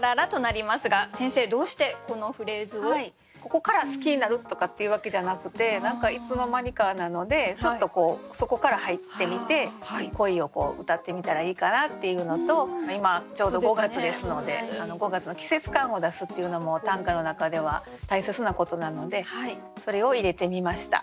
ここから好きになるとかっていうわけじゃなくて何かいつの間にかなのでちょっとそこから入ってみて恋をうたってみたらいいかなっていうのと今ちょうど５月ですので５月の季節感を出すっていうのも短歌の中では大切なことなのでそれを入れてみました。